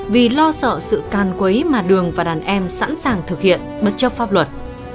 vì lo sợ sự can quấy mà đường và đàn em sẵn sàng thực hiện bất chấp pháp luật